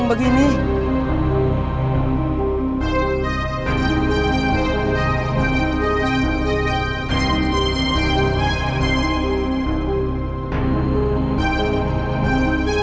badan kamu gede pisang